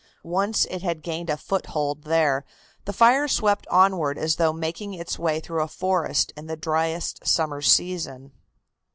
Once it had gained a foothold there, the fire swept onward as though making its way through a forest in the driest summer season.